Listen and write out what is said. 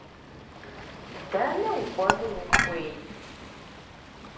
Дэнэ укӏуэну ухуей?